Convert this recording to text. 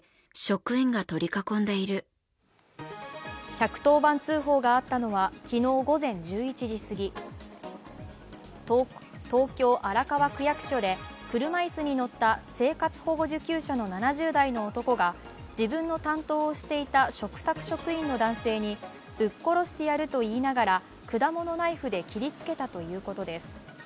１１０番通報があったのは昨日午前１１時過ぎ、東京・荒川区役所で車椅子に乗った生活保護受給者の７０代の男が自分の担当をしていた嘱託職員の男性にぶっ殺してやると言いながら果物ナイフで切りつけたということです。